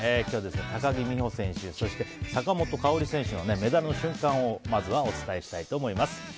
今日は高木美帆選手そして坂本花織選手のメダルの瞬間をまずはお伝えしたいと思います。